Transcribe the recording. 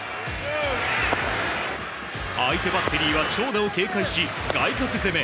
相手バッテリーは長打を警戒し外角攻め。